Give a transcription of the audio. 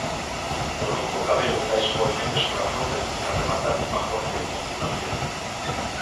O longo cabelo cae suavemente sobre a fronte para rematar nunha forte ondulación.